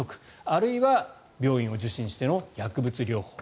あるいは病院を受診しての薬物療法。